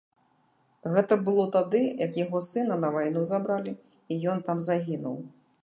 Гэта было тады, як яго сына на вайну забралі і ён там загінуў.